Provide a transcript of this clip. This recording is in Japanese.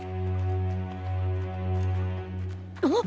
あっ！